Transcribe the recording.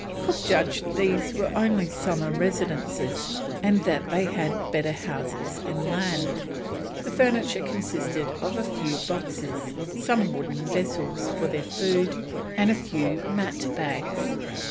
Cook judged these were only summer residences, and that they had better houses inland. The furniture consisted of a few boxes, some wooden vessels for their food, and a few mat bags.